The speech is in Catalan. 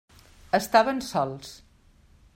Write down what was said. Estaven sols.